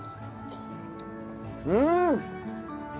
うん！